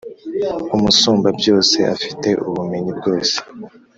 Umusumbabyose afite ubumenyi bwose,